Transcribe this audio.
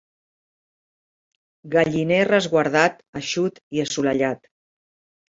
Galliner resguardat, eixut i assolellat.